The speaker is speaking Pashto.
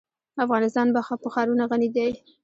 افغانستان په ښارونه غني دی.